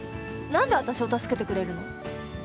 何で私を助けてくれるの？